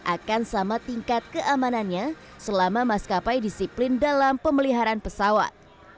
akan sama tingkat keamanannya selama maskapai disiplin dalam pemeliharaan pesawat